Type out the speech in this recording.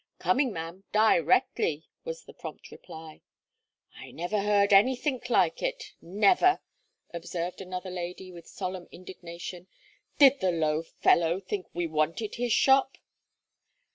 "Coming, ma'am, di rectly," was the prompt reply. . "I never heard anythink like it never," observed another lady, with solemn indignation. "Did the low fellow think we wanted his shop!"